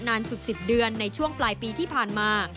นานสุด๑๐เดือนในช่วงปลายปีที่ผ่านมา